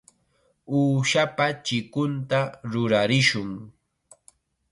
Uushapa chikunta rurarishun.